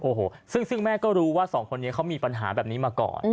โอ้โหซึ่งแม่ก็รู้ว่าสองคนนี้เขามีปัญหาแบบนี้มาก่อน